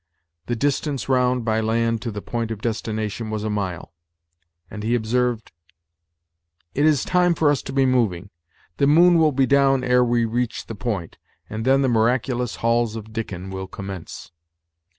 The distance round by land to the point of destination was a mile, and he observed: "It is time for us to be moving; the moon will be down ere we reach the point, and then the miraculous hauls of Dickon will commence."